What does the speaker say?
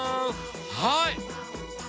はい！